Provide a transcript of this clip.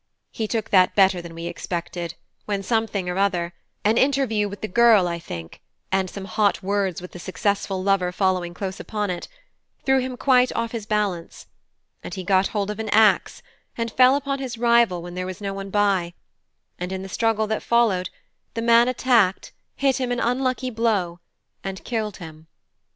"He took that better than we expected, when something or other an interview with the girl, I think, and some hot words with the successful lover following close upon it, threw him quite off his balance; and he got hold of an axe and fell upon his rival when there was no one by; and in the struggle that followed the man attacked, hit him an unlucky blow and killed him.